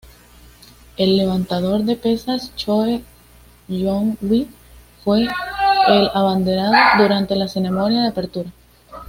El levantador de pesas Choe Jon-wi fue el abanderado durante la ceremonia de apertura.